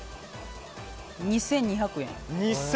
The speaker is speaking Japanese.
２２００円。